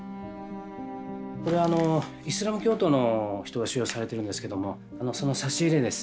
これあのイスラム教徒の人が収容されてるんですけどもその差し入れです。